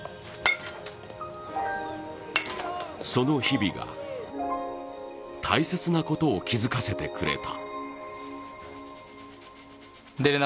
その日々が、大切なことを気づかせてくれた。